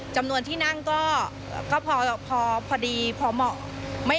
จำนวนที่นั่งก็พอดีพอเหมาะ